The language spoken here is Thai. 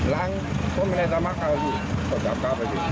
ล้างเพราะมันไม่ได้สามารถกลับไปดี